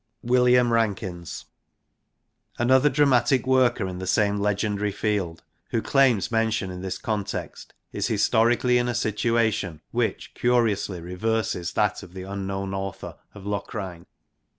William Rankins. Another dramatic worker in the same legendary field who claims mention in this context is historically in a situation which curiously reverses that of the unknown author of Locrine.